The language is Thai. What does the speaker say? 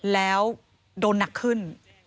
แล้วโดนหนักขึ้น